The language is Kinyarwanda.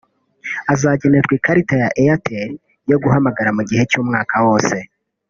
Azagenerwa ikarita ya Airtel yo guhamagara mu gihe cy’umwaka wose